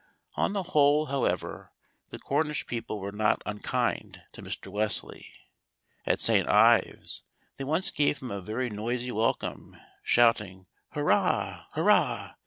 On the whole, however, the Cornish people were not unkind to Mr. Wesley. At St. Ives they once gave him a very noisy welcome, shouting, "Hurrah! hurrah!"